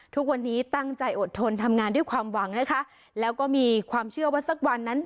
ทุกวันนี้ตั้งใจอดทนทำงานด้วยความหวังนะคะแล้วก็มีความเชื่อว่าสักวันนั้น